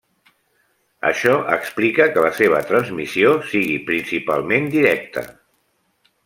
Això explica que la seva transmissió sigui principalment directa.